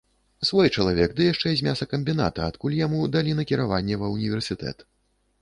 Свой чалавек, ды яшчэ з мясакамбіната, адкуль яму далі накіраванне ва ўніверсітэт!